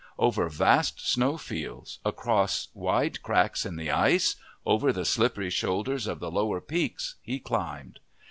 Over vast snow fields, across wide cracks in the ice, over the slippery shoulders of the lower peaks he climbed.